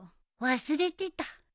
忘れてた。